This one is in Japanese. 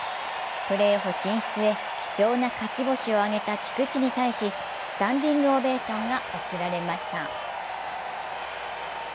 プレーオフ進出へ、貴重な勝ち星を挙げた菊池に対し、スタンディングオベーションが送られました。